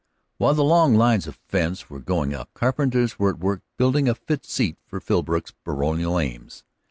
While the long lines of fence were going up, carpenters were at work building a fit seat for Philbrook's baronial aims.